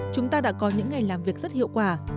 chúng ta đã có những ngày làm việc rất hiệu quả